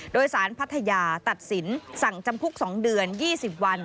โดยสารพัทยาตัดสินสั่งจำคุก๒เดือน๒๐วัน